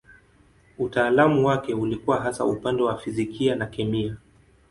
Utaalamu wake ulikuwa hasa upande wa fizikia na kemia.